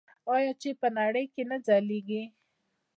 آیا چې په نړۍ کې نه ځلیږي؟